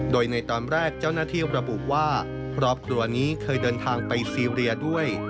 โดยในตอนแรกเจ้าหน้าที่ระบุว่าครอบครัวนี้เคยเดินทางไปซีเรียด้วย